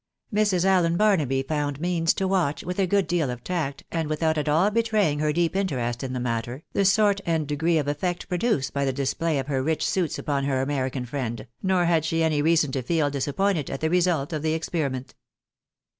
Mrs. Allen Barnaby found means to watch, with a good deal of tact, and without at all betraying her deep interest in the matter, the sort and degree of effect produced by the display of her rich suits upon her American friend, nor had she any reason to feel dis appointed at the result of the experiment.